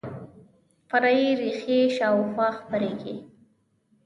فرعي ریښې شاوخوا خپریږي